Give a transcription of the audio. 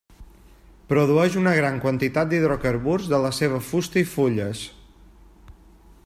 Produeix una gran quantitat d'hidrocarburs de la seva fusta i fulles.